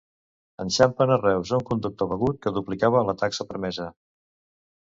Enxampen a Reus un conductor begut que duplicava la taxa permesa.